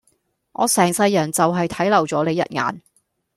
我成世人就係睇漏咗你一眼